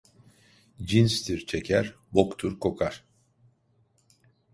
Cinstir çeker, boktur kokar!